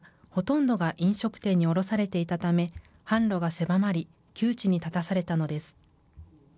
出荷していた焼酎は、ほとんどが飲食店に卸されていたため、販路が狭まり、窮地に立たされたのです。